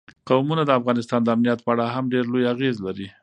قومونه د افغانستان د امنیت په اړه هم ډېر لوی اغېز لري.